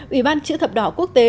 ủy ban chữ thập đỏ quốc tế